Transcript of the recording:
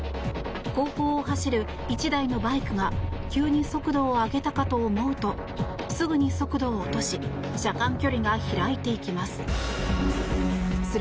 後方を走る１台のバイクが急に速度を上げたかと思うとすぐに速度を落とし車間距離が開いていきます。